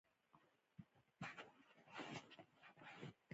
لکه مئ، خزان وهلې ونه